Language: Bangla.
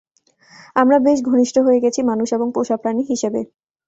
আমরা বেশ ঘনিষ্ঠ হয়ে গেছি মানুষ এবং পোষাপ্রাণী হিসেবে।